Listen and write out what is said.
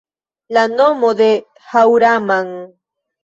La nomo de Haŭraman